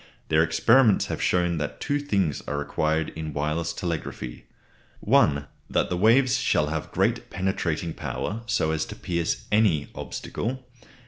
Their experiments have shown that two things are required in wireless telegraphy (i.) That the waves shall have great penetrating power, so as to pierce any obstacle.